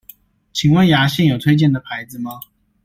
請問牙線有推薦的牌子嗎？